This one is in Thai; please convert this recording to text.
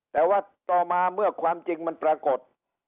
แต่ว่าต่อมาเมื่อความจริงมันปรากฏ